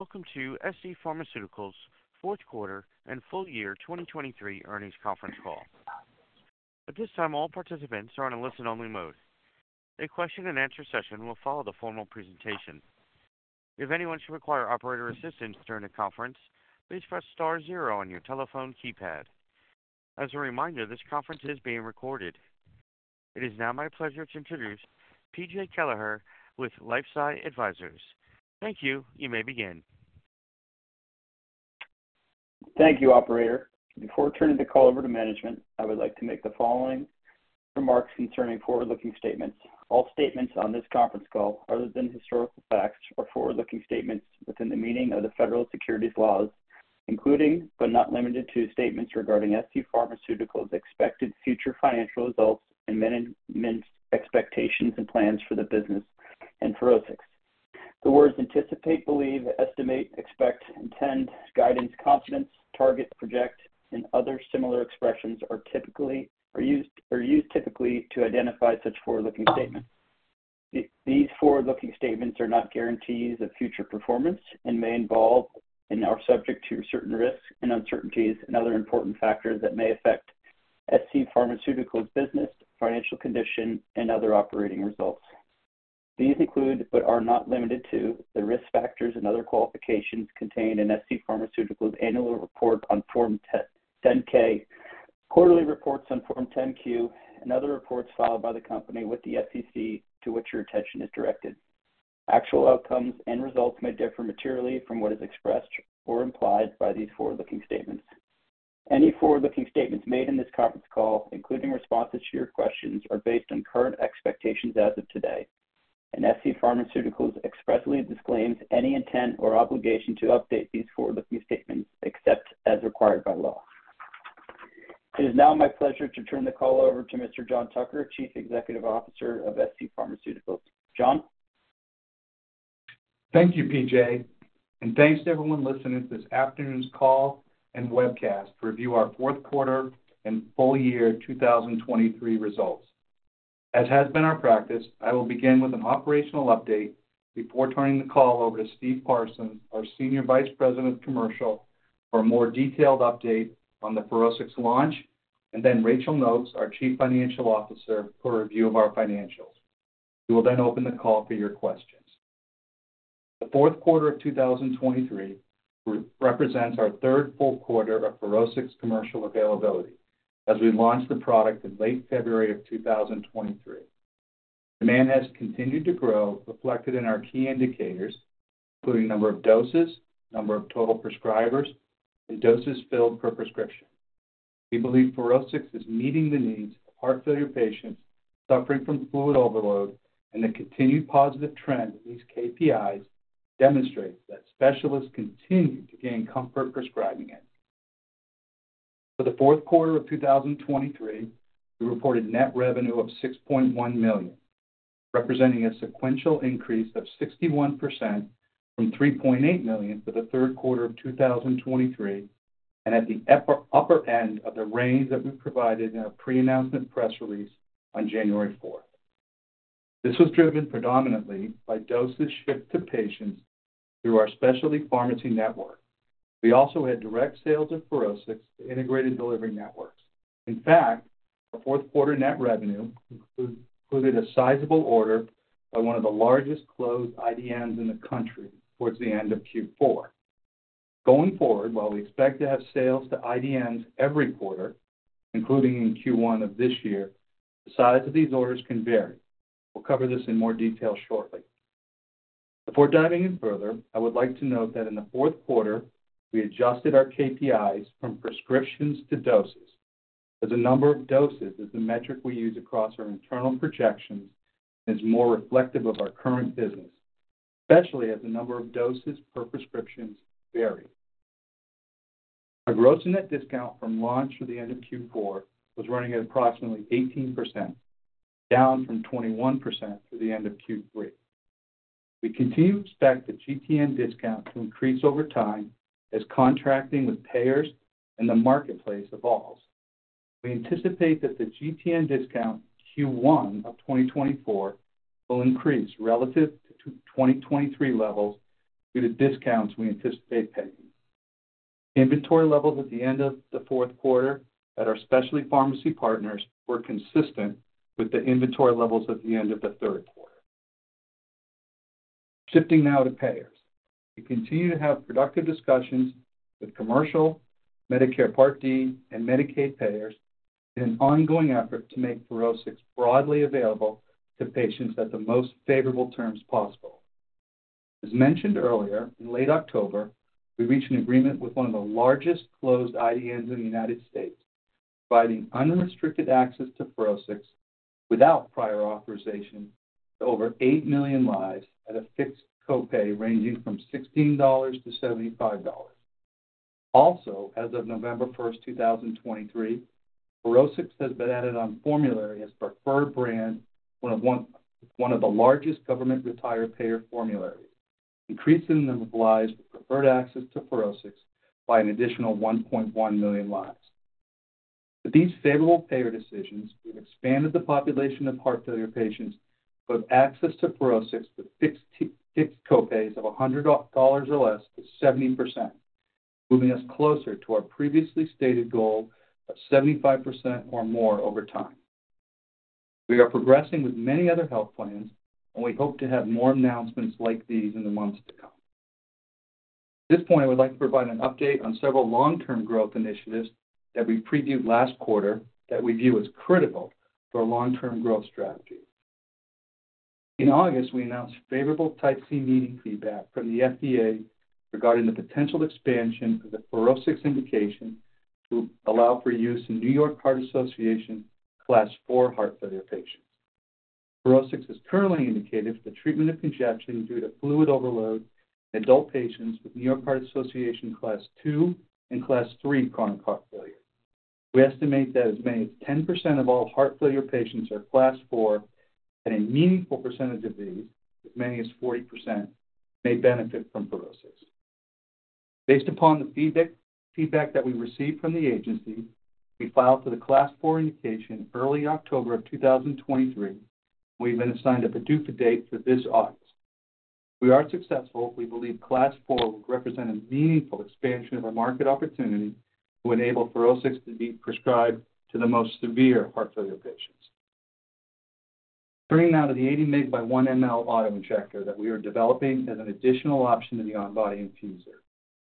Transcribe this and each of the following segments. Welcome to scPharmaceuticals' fourth quarter and full year 2023 earnings conference call. At this time, all participants are in a listen-only mode. A question-and-answer session will follow the formal presentation. If anyone should require operator assistance during the conference, please press star zero on your telephone keypad. As a reminder, this conference is being recorded. It is now my pleasure to introduce P.J. Kelleher with LifeSci Advisors. Thank you. You may begin. Thank you, operator. Before turning the call over to management, I would like to make the following remarks concerning forward-looking statements. All statements on this conference call, other than historical facts, are forward-looking statements within the meaning of the federal securities laws, including but not limited to statements regarding scPharmaceuticals' expected future financial results and management expectations and plans for the business and for FUROSCIX. The words anticipate, believe, estimate, expect, intend, guidance, confidence, target, project, and other similar expressions are typically used to identify such forward-looking statements. These forward-looking statements are not guarantees of future performance and may involve and are subject to certain risks and uncertainties and other important factors that may affect scPharmaceuticals' business, financial condition, and other operating results. These include but are not limited to the risk factors and other qualifications contained in scPharmaceuticals' annual report on Form 10-K, quarterly reports on Form 10-Q, and other reports filed by the company with the SEC to which your attention is directed. Actual outcomes and results may differ materially from what is expressed or implied by these forward-looking statements. Any forward-looking statements made in this conference call, including responses to your questions, are based on current expectations as of today, and scPharmaceuticals expressly disclaims any intent or obligation to update these forward-looking statements except as required by law. It is now my pleasure to turn the call over to Mr. John Tucker, Chief Executive Officer of scPharmaceuticals. John? Thank you, PJ. Thanks to everyone listening to this afternoon's call and webcast to review our fourth quarter and full year 2023 results. As has been our practice, I will begin with an operational update before turning the call over to Steve Parsons, our Senior Vice President of Commercial, for a more detailed update on the FUROSCIX launch, and then Rachael Nokes, our Chief Financial Officer, for review of our financials. We will then open the call for your questions. The fourth quarter of 2023 represents our third full quarter of FUROSCIX commercial availability as we launched the product in late February of 2023. Demand has continued to grow, reflected in our key indicators, including number of doses, number of total prescribers, and doses filled per prescription. We believe FUROSCIX is meeting the needs of heart failure patients suffering from fluid overload, and the continued positive trend in these KPIs demonstrates that specialists continue to gain comfort prescribing it. For the fourth quarter of 2023, we reported net revenue of $6.1 million, representing a sequential increase of 61% from $3.8 million for the third quarter of 2023 and at the upper end of the range that we provided in a pre-announcement press release on January 4th. This was driven predominantly by doses shipped to patients through our specialty pharmacy network. We also had direct sales of FUROSCIX to integrated delivery networks. In fact, our fourth quarter net revenue included a sizable order by one of the largest closed IDNs in the country towards the end of Q4. Going forward, while we expect to have sales to IDNs every quarter, including in Q1 of this year, the size of these orders can vary. We'll cover this in more detail shortly. Before diving in further, I would like to note that in the fourth quarter, we adjusted our KPIs from prescriptions to doses as the number of doses is the metric we use across our internal projections and is more reflective of our current business, especially as the number of doses per prescriptions varied. Our gross-to-net discount from launch through the end of Q4 was running at approximately 18%, down from 21% through the end of Q3. We continue to expect the GTN discount to increase over time as contracting with payers and the marketplace evolves. We anticipate that the GTN discount Q1 of 2024 will increase relative to 2023 levels due to discounts we anticipate paying. Inventory levels at the end of the fourth quarter at our specialty pharmacy partners were consistent with the inventory levels at the end of the third quarter. Shifting now to payers, we continue to have productive discussions with commercial, Medicare Part D, and Medicaid payers in an ongoing effort to make FUROSCIX broadly available to patients at the most favorable terms possible. As mentioned earlier, in late October, we reached an agreement with one of the largest closed IDNs in the United States, providing unrestricted access to FUROSCIX without prior authorization to over 8 million lives at a fixed copay ranging from $16-$75. Also, as of November 1st, 2023, FUROSCIX has been added on formulary as preferred brand, one of the largest government retiree payer formularies, increasing the number of lives with preferred access to FUROSCIX by an additional 1.1 million lives. With these favorable payer decisions, we've expanded the population of heart failure patients who have access to FUROSCIX with fixed copays of $100 or less to 70%, moving us closer to our previously stated goal of 75% or more over time. We are progressing with many other health plans, and we hope to have more announcements like these in the months to come. At this point, I would like to provide an update on several long-term growth initiatives that we previewed last quarter that we view as critical for our long-term growth strategy. In August, we announced favorable Type `C meeting feedback from the FDA regarding the potential expansion of the FUROSCIX indication to allow for use in New York Heart Association Class IV heart failure patients. FUROSCIX is currently indicated for the treatment of congestion due to fluid overload in adult patients with New York Heart Association Class II and Class III chronic heart failure. We estimate that as many as 10% of all heart failure patients are Class IV, and a meaningful percentage of these, as many as 40%, may benefit from FUROSCIX. Based upon the feedback that we received from the agency, we filed for the Class IV indication early October of 2023, and we've been assigned a PDUFA date for this August. If we are successful, we believe Class IV will represent a meaningful expansion of our market opportunity to enable FUROSCIX to be prescribed to the most severe heart failure patients. Turning now to the 80-mg/1-mL autoinjector that we are developing as an additional option to the on-body infuser.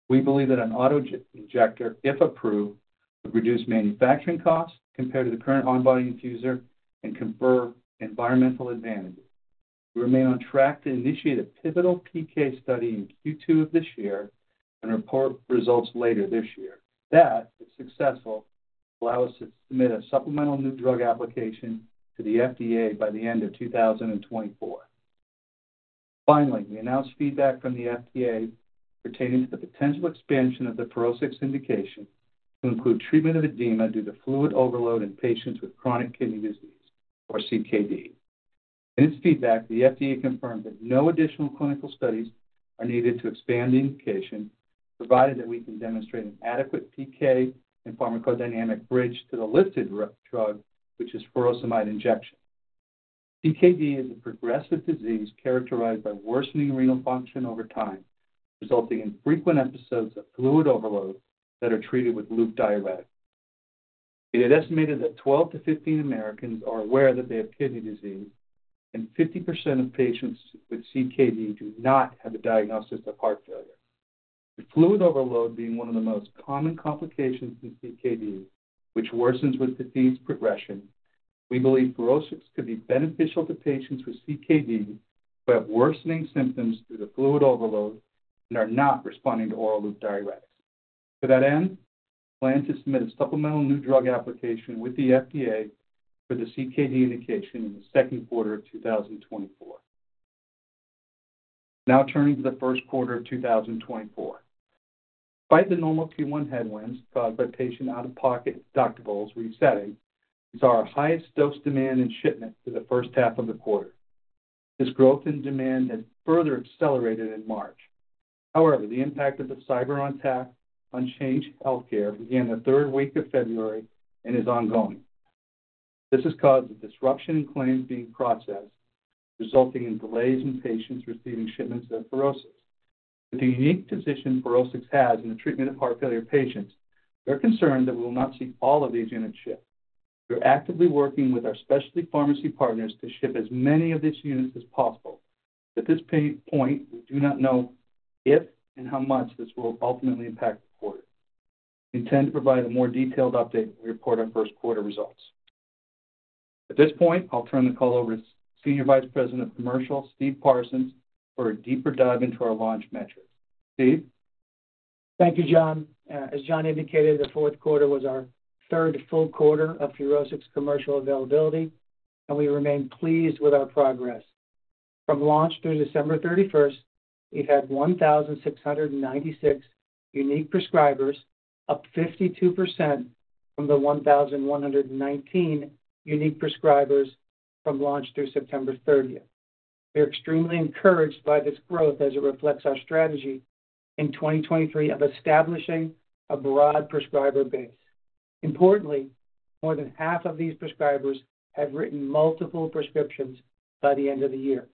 We believe that an autoinjector, if approved, would reduce manufacturing costs compared to the current on-body Infusor and confer environmental advantages. We remain on track to initiate a pivotal PK study in Q2 of this year and report results later this year that, if successful, will allow us to submit a supplemental new drug application to the FDA by the end of 2024. Finally, we announced feedback from the FDA pertaining to the potential expansion of the FUROSCIX indication to include treatment of edema due to fluid overload in patients with chronic kidney disease, or CKD. In its feedback, the FDA confirmed that no additional clinical studies are needed to expand the indication, provided that we can demonstrate an adequate PK and pharmacodynamic bridge to the listed drug, which is furosemide injection. CKD is a progressive disease characterized by worsening renal function over time, resulting in frequent episodes of fluid overload that are treated with loop diuretics. It had estimated that 12-15 Americans are aware that they have kidney disease, and 50% of patients with CKD do not have a diagnosis of heart failure. With fluid overload being one of the most common complications in CKD, which worsens with disease progression, we believe FUROSCIX could be beneficial to patients with CKD who have worsening symptoms due to fluid overload and are not responding to oral loop diuretics. To that end, we plan to submit a supplemental new drug application with the FDA for the CKD indication in the second quarter of 2024. Now turning to the first quarter of 2024. Despite the normal Q1 headwinds caused by patient-out-of-pocket deductibles resetting, we saw our highest dose demand in shipment through the first half of the quarter. This growth in demand has further accelerated in March. However, the impact of the cyberattack on Change Healthcare began the third week of February and is ongoing. This has caused a disruption in claims being processed, resulting in delays in patients receiving shipments of FUROSCIX. With the unique position FUROSCIX has in the treatment of heart failure patients, we are concerned that we will not see all of these units ship. We are actively working with our specialty pharmacy partners to ship as many of these units as possible. At this point, we do not know if and how much this will ultimately impact the quarter. We intend to provide a more detailed update when we report our first quarter results. At this point, I'll turn the call over to Senior Vice President of Commercial, Steve Parsons, for a deeper dive into our launch metrics. Steve? Thank you, John. As John indicated, the fourth quarter was our third full quarter of FUROSCIX commercial availability, and we remain pleased with our progress. From launch through December 31st, we've had 1,696 unique prescribers, up 52% from the 1,119 unique prescribers from launch through September 30th. We are extremely encouraged by this growth as it reflects our strategy in 2023 of establishing a broad prescriber base. Importantly, more than half of these prescribers have written multiple prescriptions by the end of the year.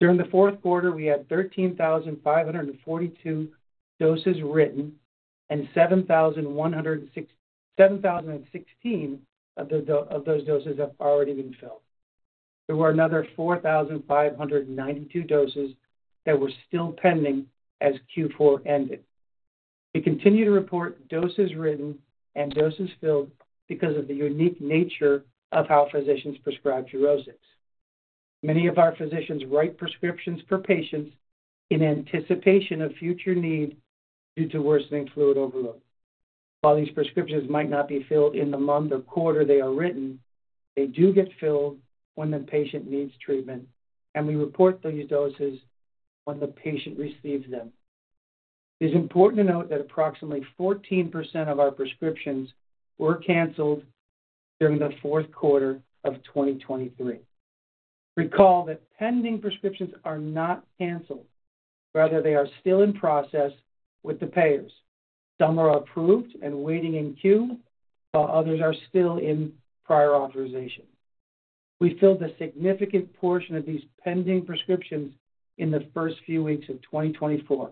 During the fourth quarter, we had 13,542 doses written, and 7,016 of those doses have already been filled. There were another 4,592 doses that were still pending as Q4 ended. We continue to report doses written and doses filled because of the unique nature of how physicians prescribe FUROSCIX. Many of our physicians write prescriptions for patients in anticipation of future need due to worsening fluid overload. While these prescriptions might not be filled in the month or quarter they are written, they do get filled when the patient needs treatment, and we report those doses when the patient receives them. It is important to note that approximately 14% of our prescriptions were canceled during the fourth quarter of 2023. Recall that pending prescriptions are not canceled; rather, they are still in process with the payers. Some are approved and waiting in queue, while others are still in prior authorization. We filled a significant portion of these pending prescriptions in the first few weeks of 2024,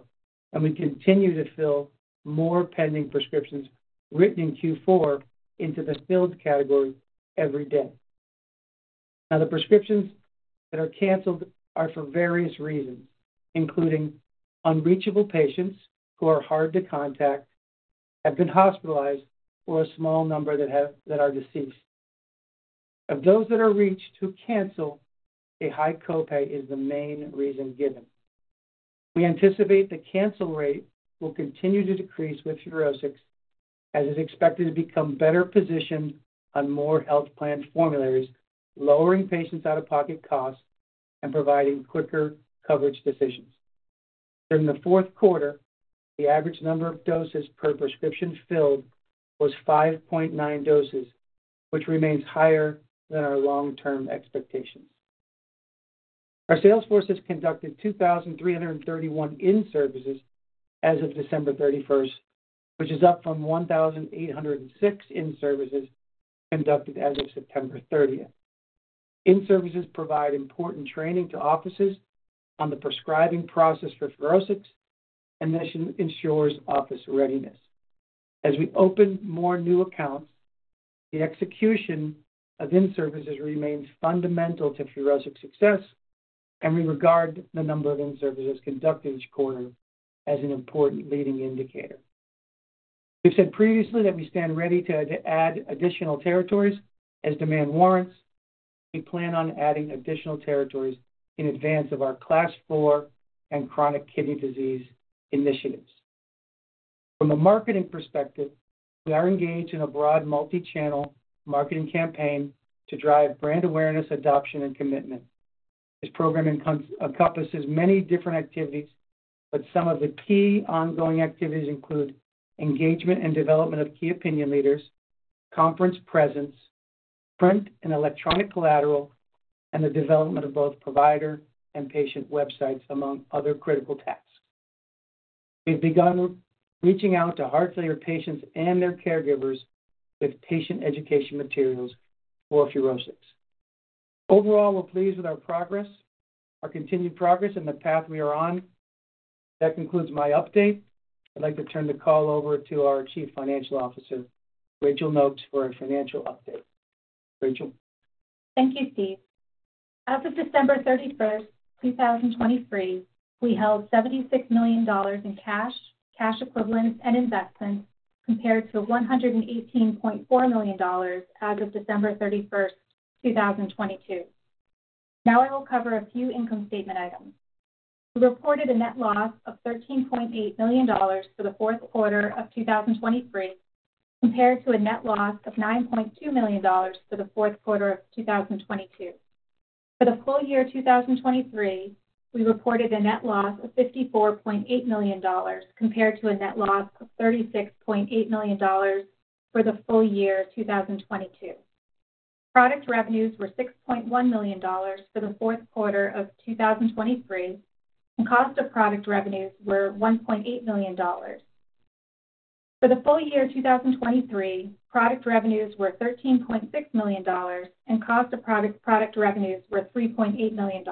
and we continue to fill more pending prescriptions written in Q4 into the filled category every day. Now, the prescriptions that are canceled are for various reasons, including unreachable patients who are hard to contact, have been hospitalized, or a small number that are deceased. Of those that are reached who cancel, a high copay is the main reason given. We anticipate the cancel rate will continue to decrease with FUROSCIX as it's expected to become better positioned on more health plan formularies, lowering patients-out-of-pocket costs, and providing quicker coverage decisions. During the fourth quarter, the average number of doses per prescription filled was 5.9 doses, which remains higher than our long-term expectations. Our sales forces conducted 2,331 in-services as of December 31st, which is up from 1,806 in-services conducted as of September 30th. In-services provide important training to offices on the prescribing process for FUROSCIX, and this ensures office readiness. As we open more new accounts, the execution of in-services remains fundamental to FUROSCIX success, and we regard the number of in-services conducted each quarter as an important leading indicator. We've said previously that we stand ready to add additional territories as demand warrants. We plan on adding additional territories in advance of our Class IV and chronic kidney disease initiatives. From a marketing perspective, we are engaged in a broad multi-channel marketing campaign to drive brand awareness, adoption, and commitment. This program encompasses many different activities, but some of the key ongoing activities include engagement and development of key opinion leaders, conference presence, print and electronic collateral, and the development of both provider and patient websites, among other critical tasks. We've begun reaching out to heart failure patients and their caregivers with patient education materials for FUROSCIX. Overall, we're pleased with our progress, our continued progress, and the path we are on. That concludes my update. I'd like to turn the call over to our Chief Financial Officer, Rachael Nokes, for a financial update. Rachael? Thank you, Steve. As of December 31st, 2023, we held $76 million in cash, cash equivalents, and investments compared to $118.4 million as of December 31st, 2022. Now I will cover a few income statement items. We reported a net loss of $13.8 million for the fourth quarter of 2023 compared to a net loss of $9.2 million for the fourth quarter of 2022. For the full year 2023, we reported a net loss of $54.8 million compared to a net loss of $36.8 million for the full year 2022. Product revenues were $6.1 million for the fourth quarter of 2023, and cost of product revenues were $1.8 million. For the full year 2023, product revenues were $13.6 million, and cost of product revenues were $3.8 million.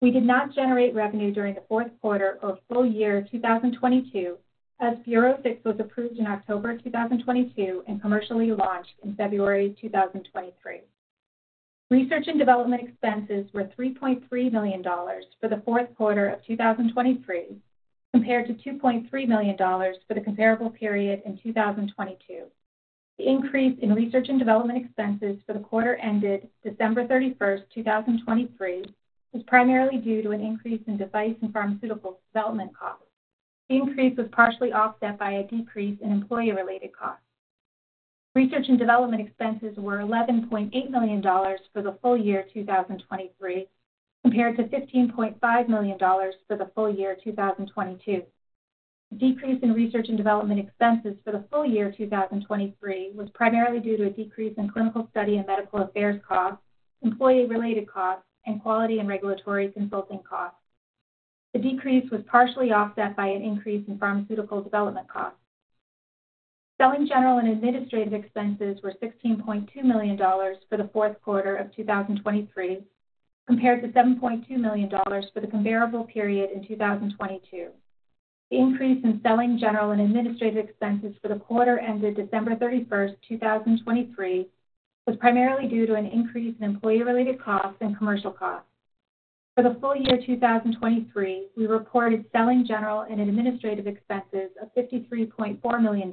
We did not generate revenue during the fourth quarter or full year 2022 as FUROSCIX was approved in October 2022 and commercially launched in February 2023. Research and development expenses were $3.3 million for the fourth quarter of 2023 compared to $2.3 million for the comparable period in 2022. The increase in research and development expenses for the quarter ended December 31st, 2023, was primarily due to an increase in device and pharmaceutical development costs. The increase was partially offset by a decrease in employee-related costs. Research and development expenses were $11.8 million for the full year 2023 compared to $15.5 million for the full year 2022. The decrease in research and development expenses for the full year 2023 was primarily due to a decrease in clinical study and medical affairs costs, employee-related costs, and quality and regulatory consulting costs. The decrease was partially offset by an increase in pharmaceutical development costs. Selling general and administrative expenses were $16.2 million for the fourth quarter of 2023 compared to $7.2 million for the comparable period in 2022. The increase in selling general and administrative expenses for the quarter ended December 31st, 2023, was primarily due to an increase in employee-related costs and commercial costs. For the full year 2023, we reported selling general and administrative expenses of $53.4 million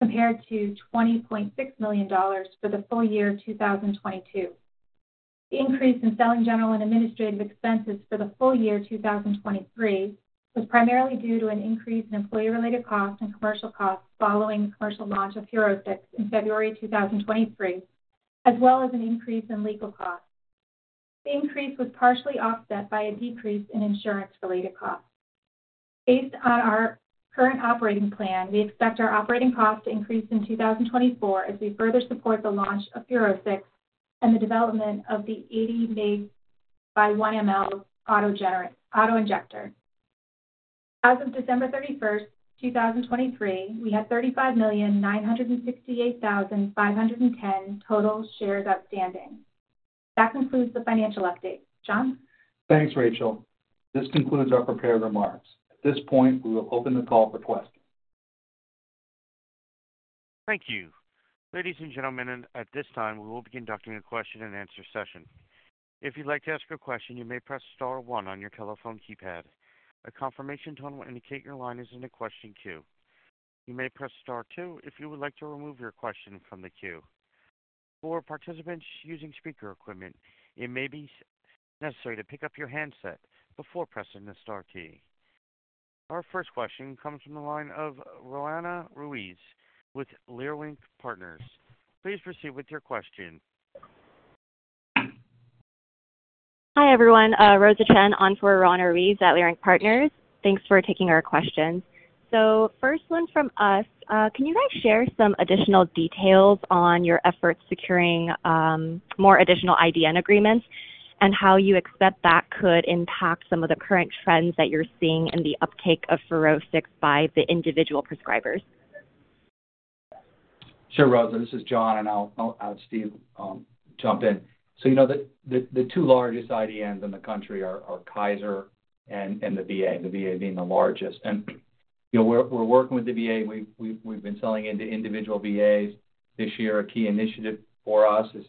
compared to $20.6 million for the full year 2022. The increase in selling general and administrative expenses for the full year 2023 was primarily due to an increase in employee-related costs and commercial costs following the commercial launch of FUROSCIX in February 2023, as well as an increase in legal costs. The increase was partially offset by a decrease in insurance-related costs. Based on our current operating plan, we expect our operating costs to increase in 2024 as we further support the launch of FUROSCIX and the development of the 80 mg/1 mL autoinjector. As of December 31st, 2023, we had 35,968,510 total shares outstanding. That concludes the financial update. John? Thanks, Rachael. This concludes our prepared remarks. At this point, we will open the call for questions. Thank you. Ladies and gentlemen, at this time, we will begin documenting the question-and-answer session. If you'd like to ask a question, you may press star one on your telephone keypad. A confirmation tone will indicate your line is in the question queue. You may press star two if you would like to remove your question from the queue. For participants using speaker equipment, it may be necessary to pick up your handset before pressing the star key. Our first question comes from the line of Roanna Ruiz with Leerink Partners. Please proceed with your question. Hi, everyone. Rosa Chen on for Roanna Ruiz at Leerink Partners. Thanks for taking our questions. So first one from us, can you guys share some additional details on your efforts securing more additional IDN agreements and how you expect that could impact some of the current trends that you're seeing in the uptake of FUROSCIX by the individual prescribers? Sure, Rosa. This is John, and I'll have Steve jump in. So the two largest IDNs in the country are Kaiser and the VA, the VA being the largest. And we're working with the VA. We've been selling into individual VAs. This year, a key initiative for us is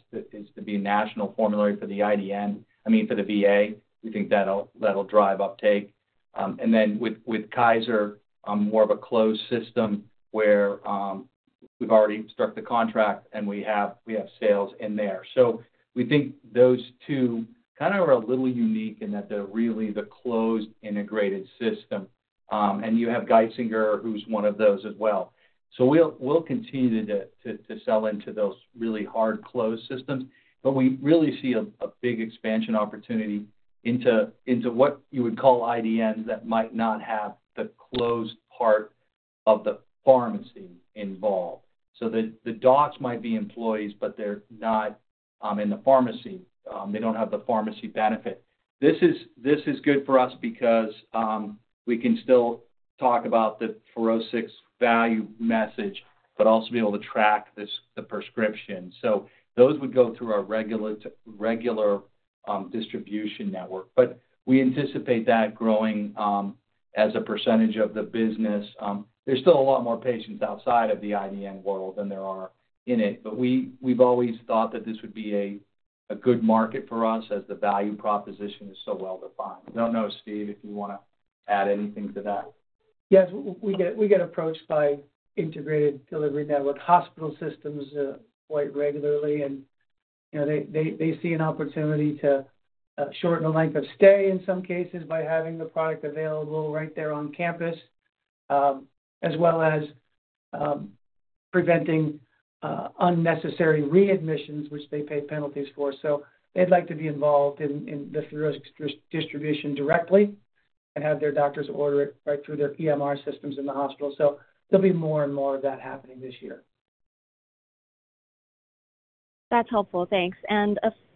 to be a national formulary for the IDN I mean, for the VA. We think that'll drive uptake. And then with Kaiser, more of a closed system where we've already struck the contract, and we have sales in there. So we think those two kind of are a little unique in that they're really the closed, integrated system. And you have Geisinger, who's one of those as well. So we'll continue to sell into those really hard, closed systems. But we really see a big expansion opportunity into what you would call IDNs that might not have the closed part of the pharmacy involved. So the docs might be employees, but they're not in the pharmacy. They don't have the pharmacy benefit. This is good for us because we can still talk about the FUROSCIX value message but also be able to track the prescription. So those would go through our regular distribution network. But we anticipate that growing as a percentage of the business. There's still a lot more patients outside of the IDN world than there are in it. But we've always thought that this would be a good market for us as the value proposition is so well defined. I don't know, Steve, if you want to add anything to that. Yes. We get approached by integrated delivery network hospital systems quite regularly. They see an opportunity to shorten the length of stay in some cases by having the product available right there on campus, as well as preventing unnecessary readmissions, which they pay penalties for. They'd like to be involved in the FUROSCIX distribution directly and have their doctors order it right through their EMR systems in the hospital. There'll be more and more of that happening this year. That's helpful. Thanks.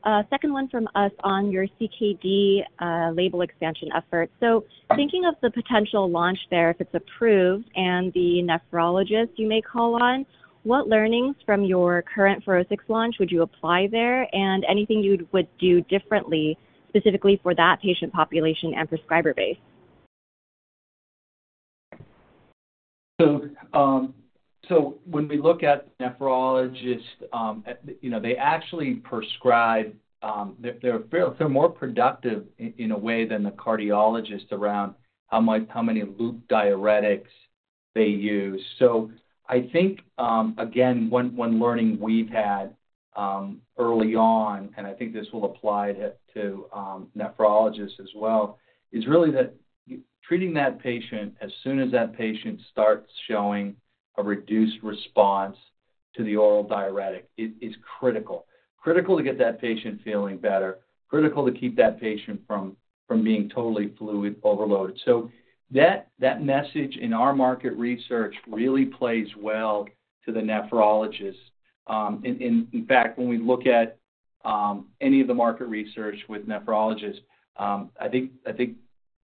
A second one from us on your CKD label expansion efforts. So thinking of the potential launch there, if it's approved and the nephrologist you may call on, what learnings from your current FUROSCIX launch would you apply there and anything you would do differently specifically for that patient population and prescriber base? So when we look at nephrologists, they actually prescribe; they're more productive in a way than the cardiologists around how many loop diuretics they use. So I think, again, one learning we've had early on, and I think this will apply to nephrologists as well, is really that treating that patient as soon as that patient starts showing a reduced response to the oral diuretic is critical, critical to get that patient feeling better, critical to keep that patient from being totally fluid overloaded. So that message in our market research really plays well to the nephrologist. In fact, when we look at any of the market research with nephrologists, I think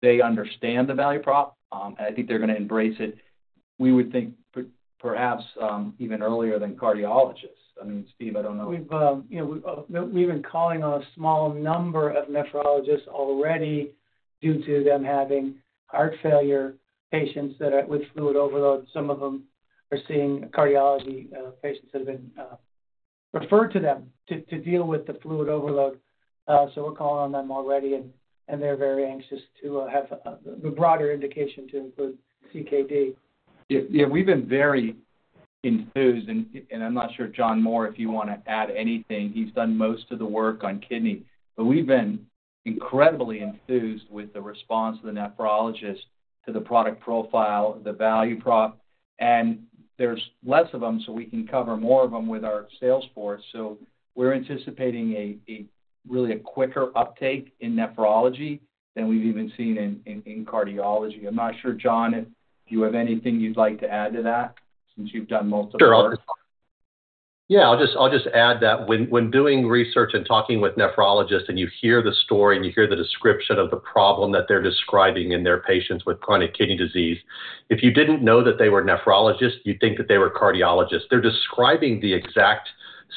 they understand the value prop, and I think they're going to embrace it, we would think, perhaps even earlier than cardiologists. I mean, Steve, I don't know. We've been calling on a small number of nephrologists already due to them having heart failure patients that are with fluid overload. Some of them are seeing cardiology patients that have been referred to them to deal with the fluid overload. So we're calling on them already, and they're very anxious to have the broader indication to include CKD. Yeah. We've been very enthused. I'm not sure, John Mohr, if you want to add anything. He's done most of the work on kidney. We've been incredibly enthused with the response of the nephrologist to the product profile, the value prop. There's less of them, so we can cover more of them with our sales force. We're anticipating really a quicker uptake in nephrology than we've even seen in cardiology. I'm not sure, John, if you have anything you'd like to add to that since you've done multiple. Sure. Yeah. I'll just add that when doing research and talking with nephrologists and you hear the story and you hear the description of the problem that they're describing in their patients with chronic kidney disease, if you didn't know that they were nephrologists, you'd think that they were cardiologists. They're describing the exact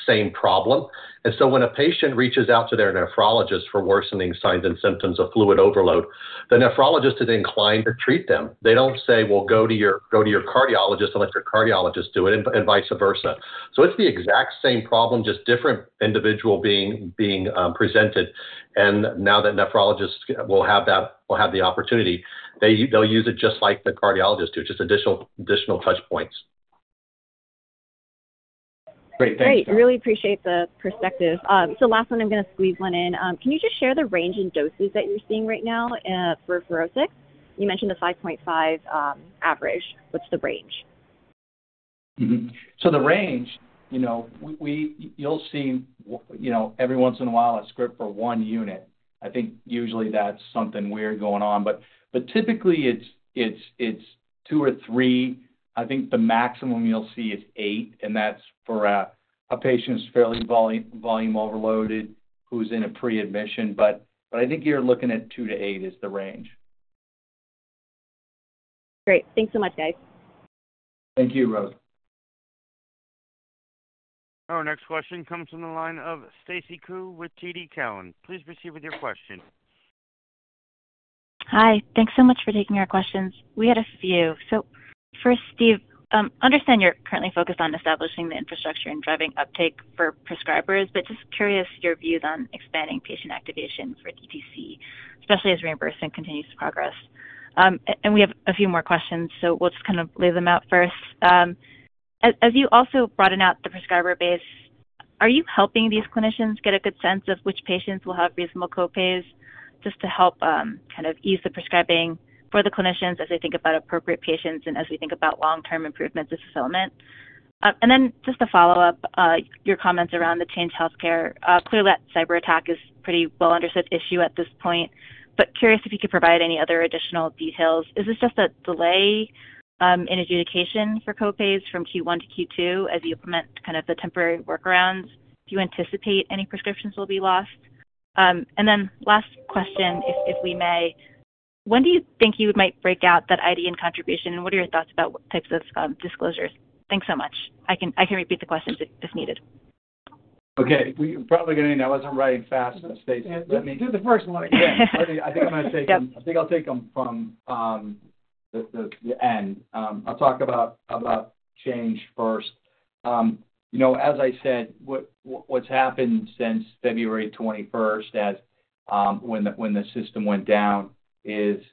same problem. And so when a patient reaches out to their nephrologist for worsening signs and symptoms of fluid overload, the nephrologist is inclined to treat them. They don't say, "Well, go to your cardiologist unless your cardiologist do it," and vice versa. So it's the exact same problem, just different individual being presented. And now that nephrologists will have that, will have the opportunity, they'll use it just like the cardiologists do, just additional touchpoints. Great. Thanks. Great. Really appreciate the perspective. So last one, I'm going to squeeze one in. Can you just share the range and doses that you're seeing right now for FUROSCIX? You mentioned the 5.5 average. What's the range? So the range, you'll see every once in a while a script for one unit. I think usually that's something weird going on. But typically, it's two or three. I think the maximum you'll see is eight, and that's for a patient who's fairly volume overloaded, who's in a preadmission. But I think you're looking at two-eight is the range. Great. Thanks so much, guys. Thank you, Rosa. Our next question comes from the line of Stacy Ku with TD Cowen. Please proceed with your question. Hi. Thanks so much for taking our questions. We had a few. So first, Steve, understand you're currently focused on establishing the infrastructure and driving uptake for prescribers, but just curious your views on expanding patient activation for DTC, especially as reimbursement continues to progress? And we have a few more questions, so we'll just kind of lay them out first. As you also broaden out the prescriber base, are you helping these clinicians get a good sense of which patients will have reasonable copays just to help kind of ease the prescribing for the clinicians as they think about appropriate patients and as we think about long-term improvements of fulfillment? And then just to follow up your comments around the Change Healthcare, clearly, that cyberattack is a pretty well-understood issue at this point. But curious if you could provide any other additional details? Is this just a delay in adjudication for copays from Q1-Q2 as you implement kind of the temporary workarounds? Do you anticipate any prescriptions will be lost? And then last question, if we may, when do you think you might break out that IDN contribution, and what are your thoughts about types of disclosures? Thanks so much. I can repeat the questions if needed. Okay. You're probably going to need that one. I wasn't writing fast enough, Stacy. Let me. Yeah. Do the first one again. I think I'm going to take them. I think I'll take them from the end. I'll talk about Change first. As I said, what's happened since February 21st when the system went down is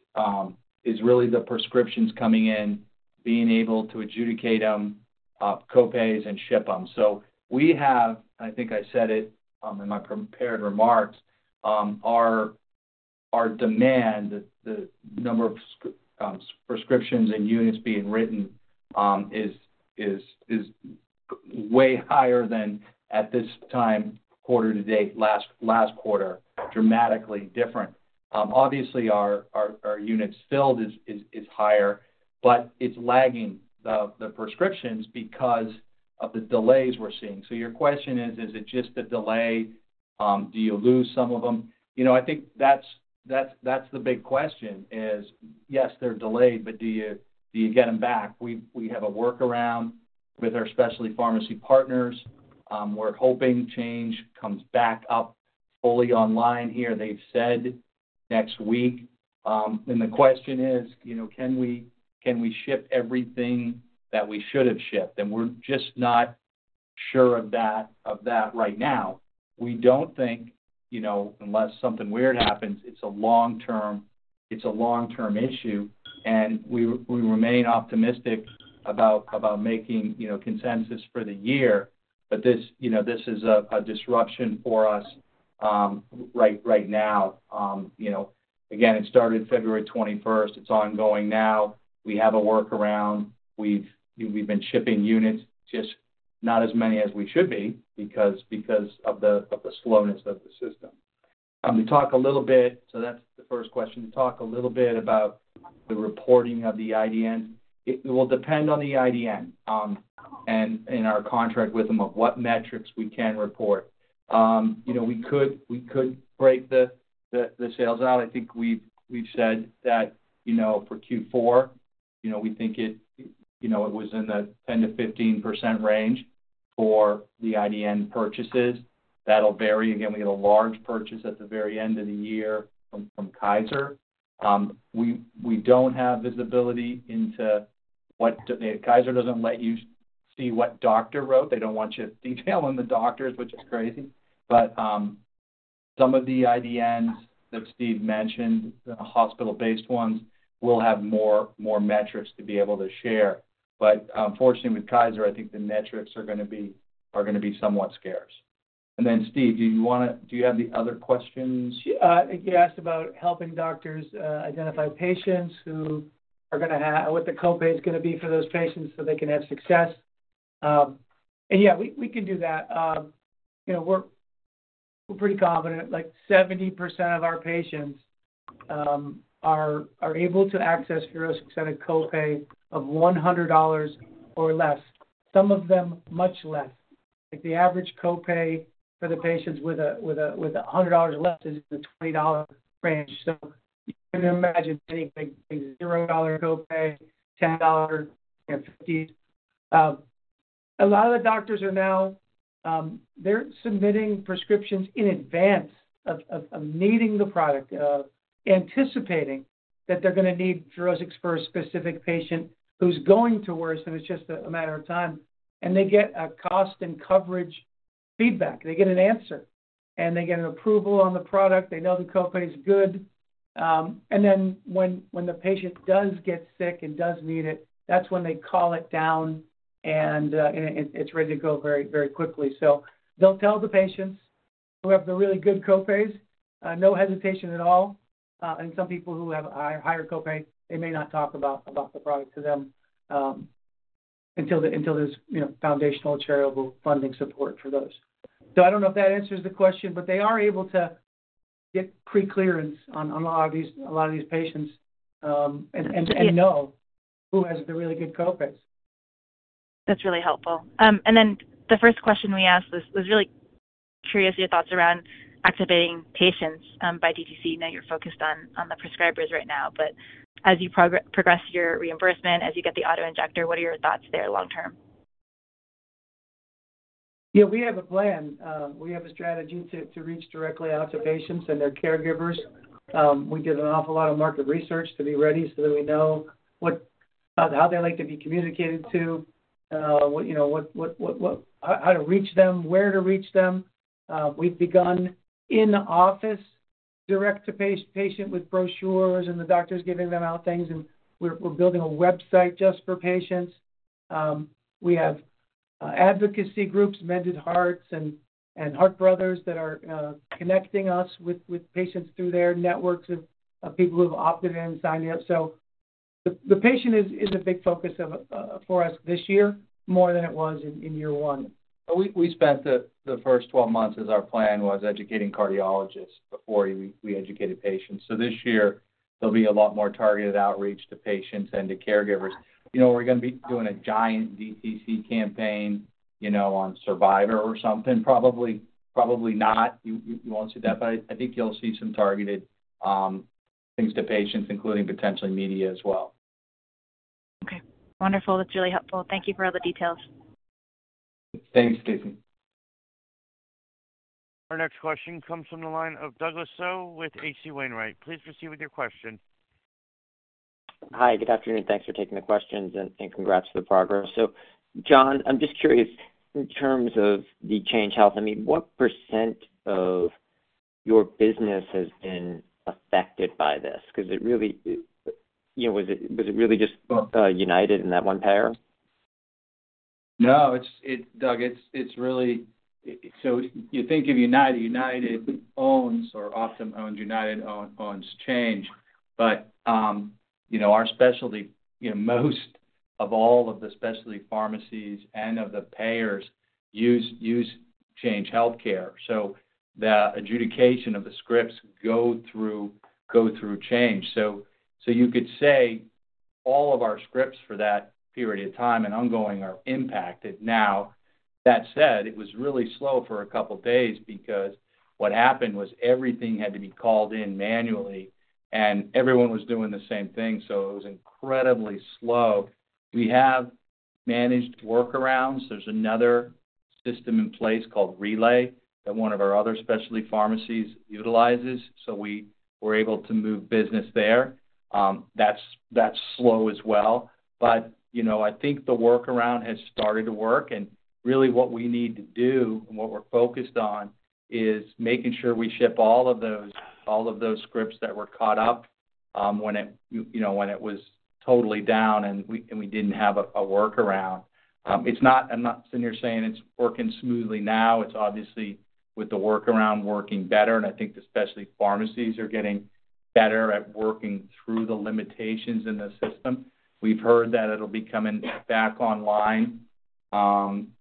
really the prescriptions coming in, being able to adjudicate them, copays, and ship them. So we have, and I think I said it in my prepared remarks, our demand, the number of prescriptions and units being written, is way higher than at this time, quarter to date, last quarter, dramatically different. Obviously, our units filled is higher, but it's lagging the prescriptions because of the delays we're seeing. So your question is, is it just a delay? Do you lose some of them? I think that's the big question, is, yes, they're delayed, but do you get them back? We have a workaround with our specialty pharmacy partners. We're hoping Change Healthcare comes back up fully online here. They've said next week. The question is, can we ship everything that we should have shipped? We're just not sure of that right now. We don't think, unless something weird happens, it's a long-term it's a long-term issue. We remain optimistic about making consensus for the year. But this is a disruption for us right now. Again, it started February 21st. It's ongoing now. We have a workaround. We've been shipping units, just not as many as we should be because of the slowness of the system. To talk a little bit, so that's the first question. To talk a little bit about the reporting of the IDNs, it will depend on the IDN and our contract with them of what metrics we can report. We could break the sales out. I think we've said that for Q4, we think it was in the 10%-15% range for the IDN purchases. That'll vary. Again, we get a large purchase at the very end of the year from Kaiser. We don't have visibility into what Kaiser doesn't let you see what doctor wrote. They don't want you detailing the doctors, which is crazy. But some of the IDNs that Steve mentioned, the hospital-based ones, will have more metrics to be able to share. But unfortunately, with Kaiser, I think the metrics are going to be somewhat scarce. And then, Steve, do you want to do you have the other questions? Yeah. You asked about helping doctors identify patients who are going to have what the copay is going to be for those patients so they can have success. And yeah, we can do that. We're pretty confident. 70% of our patients are able to access FUROSCIX at a copay of $100 or less, some of them much less. The average copay for the patients with $100 or less is in the $20 range. So you can imagine any big thing, $0 copay, $10, $50. A lot of the doctors are now submitting prescriptions in advance of needing the product, anticipating that they're going to need FUROSCIX for a specific patient who's going to worse, and it's just a matter of time. And they get a cost and coverage feedback. They get an answer, and they get an approval on the product. They know the copay is good. And then when the patient does get sick and does need it, that's when they call it down, and it's ready to go very, very quickly. So they'll tell the patients who have the really good copays, no hesitation at all. And some people who have a higher copay, they may not talk about the product to them until there's foundational charitable funding support for those. So I don't know if that answers the question, but they are able to get pre-clearance on a lot of these patients and know who has the really good copays. That's really helpful. And then the first question we asked was really curious your thoughts around activating patients by DTC. I know you're focused on the prescribers right now. But as you progress your reimbursement, as you get the autoinjector, what are your thoughts there long-term? Yeah. We have a plan. We have a strategy to reach directly out to patients and their caregivers. We did an awful lot of market research to be ready so that we know how they like to be communicated to, how to reach them, where to reach them. We've begun in-office direct-to-patient with brochures and the doctors giving them out things. And we're building a website just for patients. We have advocacy groups, Mended Hearts and HeartBrothers, that are connecting us with patients through their networks of people who have opted in and signed up. So the patient is a big focus for us this year more than it was in year one. We spent the first 12 months as our plan was educating cardiologists before we educated patients. So this year, there'll be a lot more targeted outreach to patients and to caregivers. Are we going to be doing a giant DTC campaign on Survivor or something? Probably not. You won't see that, but I think you'll see some targeted things to patients, including potentially media as well. Okay. Wonderful. That's really helpful. Thank you for all the details. Thanks, Stacey. Our next question comes from the line of Douglas Tsao with H.C. Wainwright. Please proceed with your question. Hi. Good afternoon. Thanks for taking the questions and congrats for the progress. So John, I'm just curious, in terms of the Change Healthcare, I mean, what % of your business has been affected by this? Because it really was just United and that one payer? No. Doug, it's really so you think of United. United owns or Optum owns United owns Change. But our specialty, most of all of the specialty pharmacies and of the payers use Change Healthcare. So the adjudication of the scripts go through Change. So you could say all of our scripts for that period of time and ongoing are impacted now. That said, it was really slow for a couple of days because what happened was everything had to be called in manually, and everyone was doing the same thing. So it was incredibly slow. We have managed workarounds. There's another system in place called Relay that one of our other specialty pharmacies utilizes. So we were able to move business there. That's slow as well. But I think the workaround has started to work. Really, what we need to do and what we're focused on is making sure we ship all of those scripts that were caught up when it was totally down and we didn't have a workaround. I'm not sitting here saying it's working smoothly now. It's obviously with the workaround working better. And I think the specialty pharmacies are getting better at working through the limitations in the system. We've heard that it'll be coming back online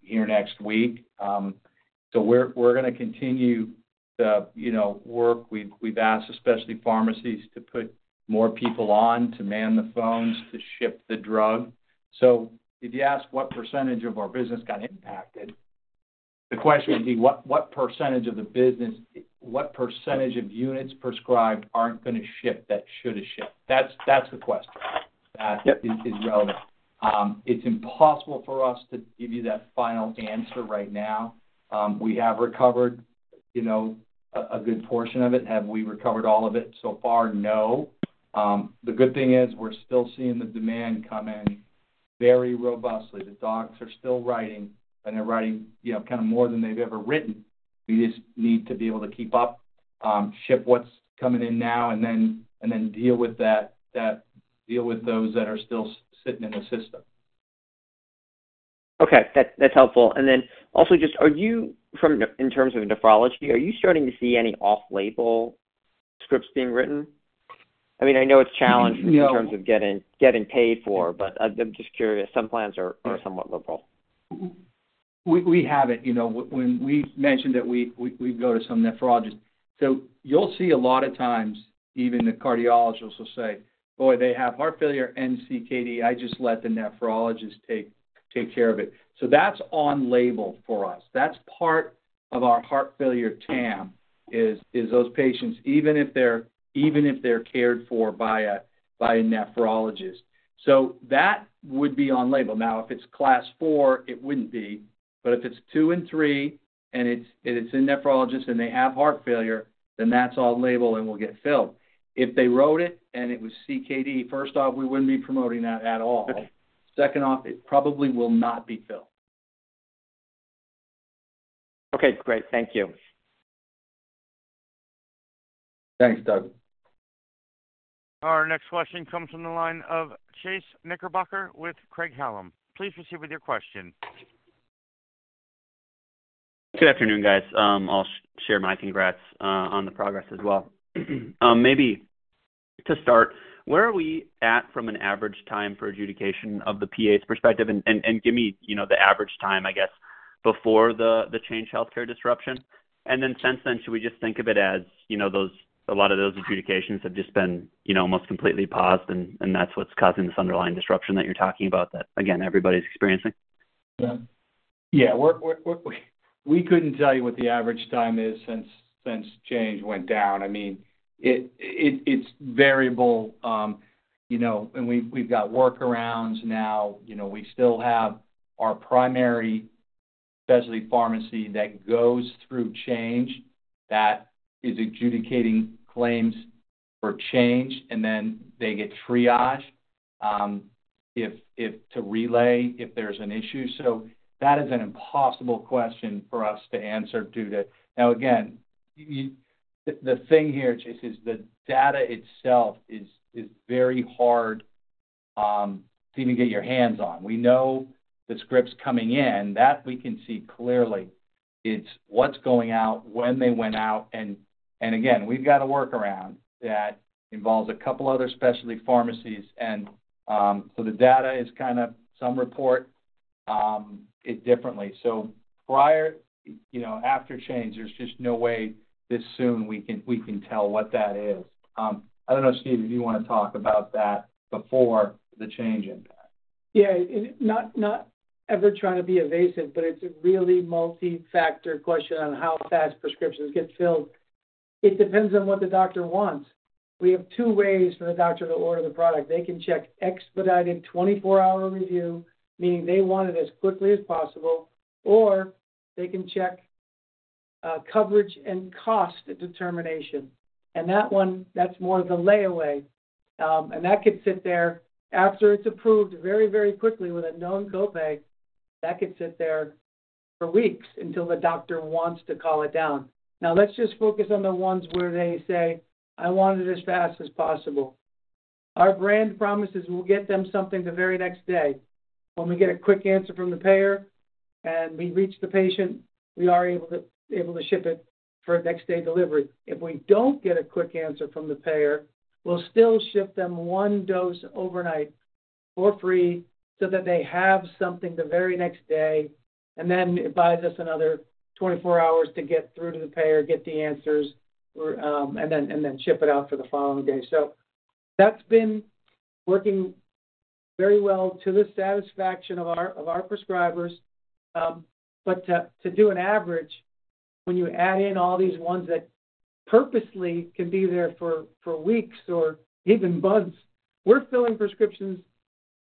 here next week. So we're going to continue the work. We've asked the specialty pharmacies to put more people on to man the phones, to ship the drug. So if you ask what percentage of our business got impacted, the question would be, what percentage of the business what percentage of units prescribed aren't going to ship that should have shipped? That's the question that is relevant. It's impossible for us to give you that final answer right now. We have recovered a good portion of it. Have we recovered all of it so far? No. The good thing is we're still seeing the demand come in very robustly. The docs are still writing, and they're writing kind of more than they've ever written. We just need to be able to keep up, ship what's coming in now, and then deal with those that are still sitting in the system. Okay. That's helpful. And then also just in terms of nephrology, are you starting to see any off-label scripts being written? I mean, I know it's challenging in terms of getting paid for, but I'm just curious. Some plans are somewhat liberal. We haven't. When we mentioned that we'd go to some nephrologists. So you'll see a lot of times, even the cardiologists will say, "Boy, they have heart failure, and CKD. I just let the nephrologist take care of it." So that's on-label for us. That's part of our heart failure TAM, is those patients, even if they're cared for by a nephrologist. So that would be on-label. Now, if it's class IV, it wouldn't be. But if it's two and three and it's a nephrologist and they have heart failure, then that's on-label and will get filled. If they wrote it and it was CKD, first off, we wouldn't be promoting that at all. Second off, it probably will not be filled. Okay. Great. Thank you. Thanks, Doug. Our next question comes from the line of Chase Knickerbocker with Craig-Hallum. Please proceed with your question. Good afternoon, guys. I'll share my congrats on the progress as well. Maybe to start, where are we at from an average time for adjudication of the PA's perspective? And give me the average time, I guess, before the Change Healthcare disruption. And then since then, should we just think of it as a lot of those adjudications have just been almost completely paused, and that's what's causing this underlying disruption that you're talking about that, again, everybody's experiencing? Yeah. Yeah. We couldn't tell you what the average time is since Change went down. I mean, it's variable. And we've got workarounds now. We still have our primary specialty pharmacy that goes through Change that is adjudicating claims for Change, and then they get triaged to Relay if there's an issue. So that is an impossible question for us to answer due to now, again, the thing here, Chase, is the data itself is very hard to even get your hands on. We know the scripts coming in. That we can see clearly. It's what's going out, when they went out. And again, we've got a workaround that involves a couple of other specialty pharmacies. And so the data is kind of some report it differently. So after Change, there's just no way this soon we can tell what that is. I don't know, Steve, if you want to talk about that before the change impact. Yeah. Not ever trying to be evasive, but it's a really multifactor question on how fast prescriptions get filled. It depends on what the doctor wants. We have two ways for the doctor to order the product. They can check expedited 24-hour review, meaning they want it as quickly as possible, or they can check coverage and cost determination. That one, that's more of the layaway. That could sit there after it's approved very, very quickly with a known copay. That could sit there for weeks until the doctor wants to call it down. Now, let's just focus on the ones where they say, "I want it as fast as possible." Our brand promises we'll get them something the very next day. When we get a quick answer from the payer and we reach the patient, we are able to ship it for next-day delivery. If we don't get a quick answer from the payer, we'll still ship them one dose overnight for free so that they have something the very next day. Then it buys us another 24 hours to get through to the payer, get the answers, and then ship it out for the following day. That's been working very well to the satisfaction of our prescribers. To do an average, when you add in all these ones that purposely can be there for weeks or even months, we're filling prescriptions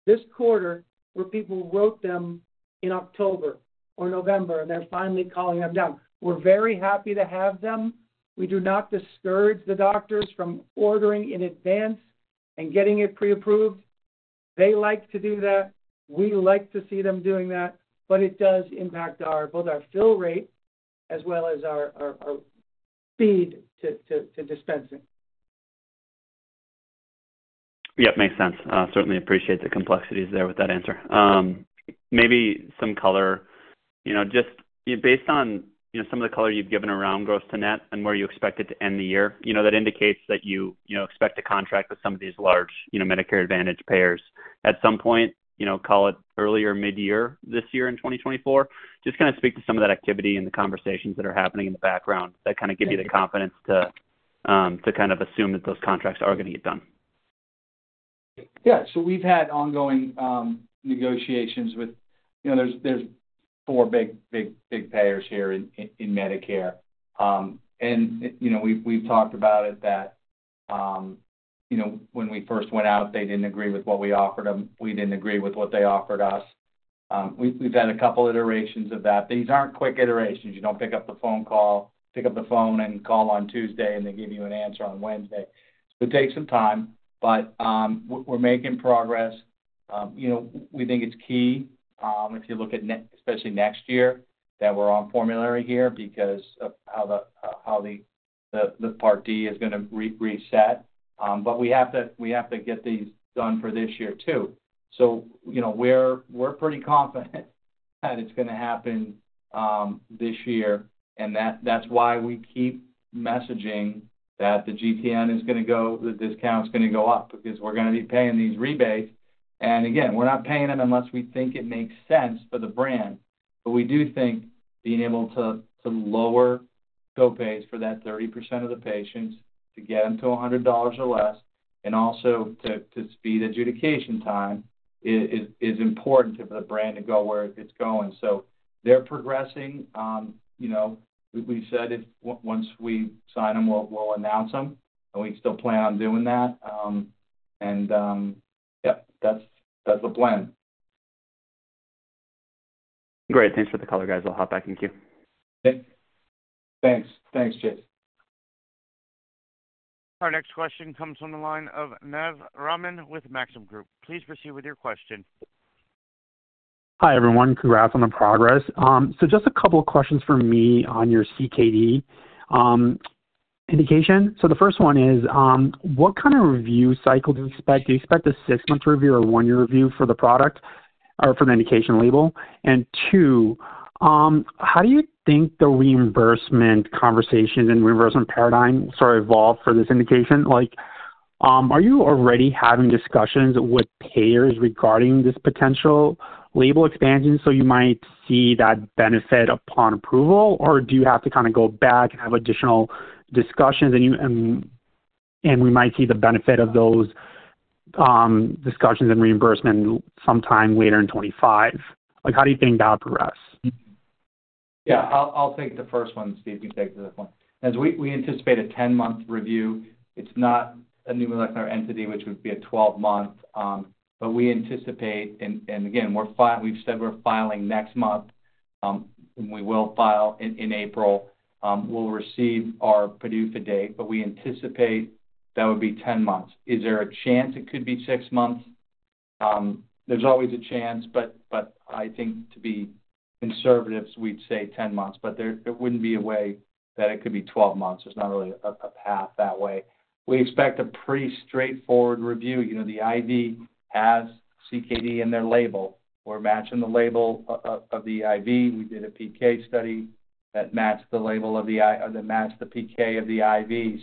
this quarter where people wrote them in October or November, and they're finally calling them down. We're very happy to have them. We do not discourage the doctors from ordering in advance and getting it pre-approved. They like to do that. We like to see them doing that. But it does impact both our fill rate as well as our speed to dispensing. Yep. Makes sense. Certainly appreciate the complexities there with that answer. Maybe some color. Just based on some of the color you've given around gross to net and where you expect it to end the year, that indicates that you expect to contract with some of these large Medicare Advantage payers. At some point, call it earlier mid-year this year in 2024. Just kind of speak to some of that activity and the conversations that are happening in the background that kind of give you the confidence to kind of assume that those contracts are going to get done? Yeah. So we've had ongoing negotiations with there's four big, big, big payers here in Medicare. And we've talked about it that when we first went out, they didn't agree with what we offered them. We didn't agree with what they offered us. We've had a couple of iterations of that. These aren't quick iterations. You don't pick up the phone and call on Tuesday, and they give you an answer on Wednesday. It takes some time, but we're making progress. We think it's key, if you look at especially next year, that we're on formulary here because of how the Part D is going to reset. But we have to get these done for this year too. So we're pretty confident that it's going to happen this year. That's why we keep messaging that the GTN is going to go the discount is going to go up because we're going to be paying these rebates. Again, we're not paying them unless we think it makes sense for the brand. We do think being able to lower copays for that 30% of the patients to get them to $100 or less and also to speed adjudication time is important for the brand to go where it's going. They're progressing. We said once we sign them, we'll announce them. We still plan on doing that. Yep, that's the plan. Great. Thanks for the color, guys. I'll hop back and cue you. Okay. Thanks. Thanks, Chase. Our next question comes from the line of Naz Rahman with Maxim Group. Please proceed with your question. Hi, everyone. Congrats on the progress. So just a couple of questions for me on your CKD indication. So the first one is, what kind of review cycle do you expect? Do you expect a six-month review or one-year review for the product or for the indication label? And two, how do you think the reimbursement conversations and reimbursement paradigm sort of evolved for this indication? Are you already having discussions with payers regarding this potential label expansion so you might see that benefit upon approval, or do you have to kind of go back and have additional discussions, and we might see the benefit of those discussions and reimbursement sometime later in 2025? How do you think that'll progress? Yeah. I'll take the first one, Steve. You can take the other one. As we anticipate a 10-month review, it's not a new molecular entity, which would be a 12-month. But we anticipate and again, we've said we're filing next month, and we will file in April. We'll receive our PDUFA date, but we anticipate that would be 10 months. Is there a chance it could be 6 months? There's always a chance, but I think to be conservative, we'd say 10 months. But there wouldn't be a way that it could be 12 months. There's not really a path that way. We expect a pretty straightforward review. The IV has CKD in their label. We're matching the label of the IV. We did a PK study that matched the label of the IV that matched the PK of the IV.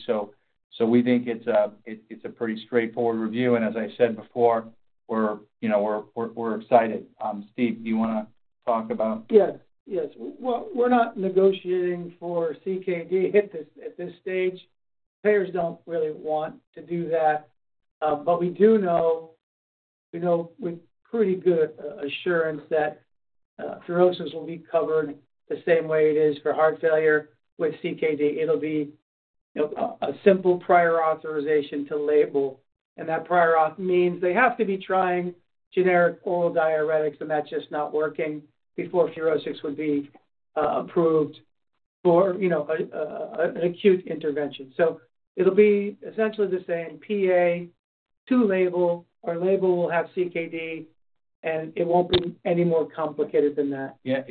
So we think it's a pretty straightforward review. As I said before, we're excited. Steve, do you want to talk about? Yes. Yes. Well, we're not negotiating for CKD at this stage. Payers don't really want to do that. But we do know with pretty good assurance that cirrhosis will be covered the same way it is for heart failure with CKD. It'll be a simple prior authorization to label. And that prior auth means they have to be trying generic oral diuretics, and that's just not working before cirrhosis would be approved for an acute intervention. So it'll be essentially the same. PA to label. Our label will have CKD, and it won't be any more complicated than that. Yeah.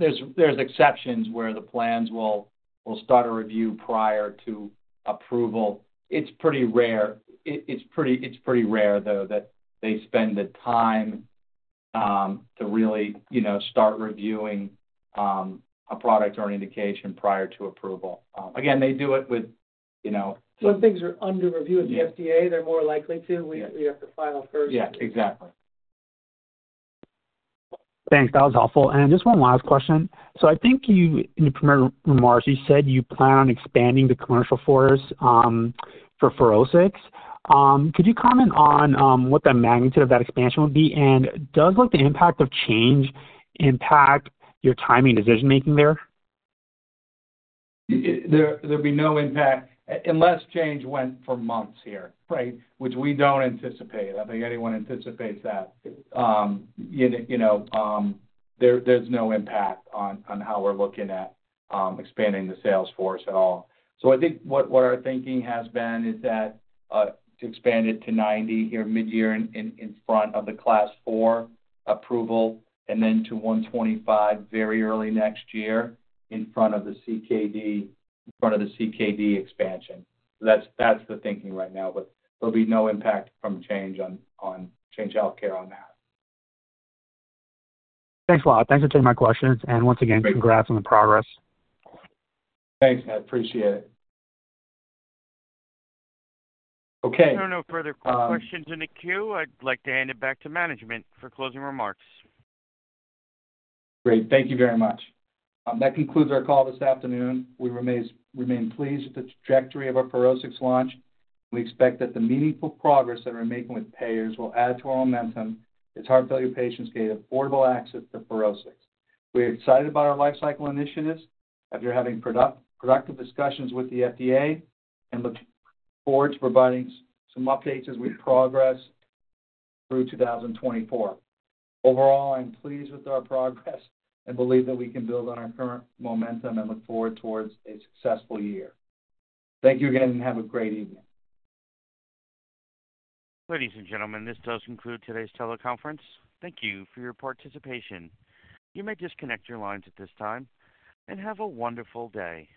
There's exceptions where the plans will start a review prior to approval. It's pretty rare. It's pretty rare, though, that they spend the time to really start reviewing a product or an indication prior to approval. Again, they do it with. When things are under review at the FDA, they're more likely to. We have to file first. Yeah. Exactly. Thanks. That was helpful. Just one last question. I think in your primary remarks, you said you plan on expanding the commercial footprint for cirrhosis. Could you comment on what the magnitude of that expansion would be? And does the impact of Change Healthcare impact your timing decision-making there? There'd be no impact unless Change Healthcare went for months here. Right, which we don't anticipate. I think anyone anticipates that. There's no impact on how we're looking at expanding the sales force at all. So I think what our thinking has been is that to expand it to 90 here mid-year in front of the class four approval, and then to 125 very early next year in front of the CKD in front of the CKD expansion. So that's the thinking right now. But there'll be no impact from Change Healthcare on that. Thanks, Bob. Thanks for taking my questions. Once again, congrats on the progress. Thanks, Naz. Appreciate it. Okay. If there are no further questions in the queue, I'd like to hand it back to management for closing remarks. Great. Thank you very much. That concludes our call this afternoon. We remain pleased with the trajectory of our FUROSCIX launch. We expect that the meaningful progress that we're making with payers will add to our momentum: its heart failure patients gain affordable access to FUROSCIX. We're excited about our lifecycle initiatives after having productive discussions with the FDA and look forward to providing some updates as we progress through 2024. Overall, I'm pleased with our progress and believe that we can build on our current momentum and look forward towards a successful year. Thank you again, and have a great evening. Ladies and gentlemen, this does conclude today's teleconference. Thank you for your participation. You may disconnect your lines at this time and have a wonderful day.